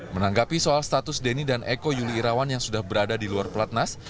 menanggapi soal status denny dan eko yuli irawan yang sudah berada di luar pelatnas